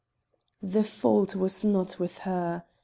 The fault was not with her.